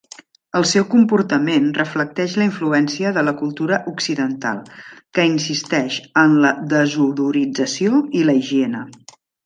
El seu comportament reflecteix la influència de la cultura occidental, que insisteix en la desodorització i la higiene.